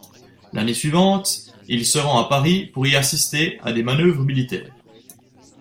L'année suivante, il se rend à Paris pour y assister à des manœuvres militaires.